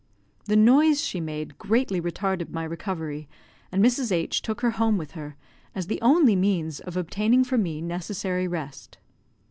The noise she made greatly retarded my recovery, and Mrs. H took her home with her, as the only means of obtaining for me necessary rest.